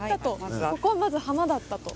ここはまずハマだったと。